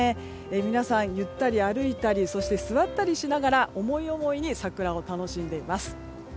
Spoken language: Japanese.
皆さん、ゆったり歩いたり座ったりしながら思い思いに桜を楽しんでいます。